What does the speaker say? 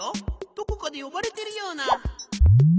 どこかでよばれてるような。